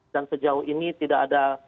dan sejauh ini tidak ada